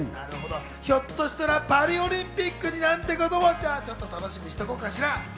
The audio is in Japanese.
ひょっとしたらパリオリンピックになんてことも、じゃあちょっと楽しみにしておこうかしら。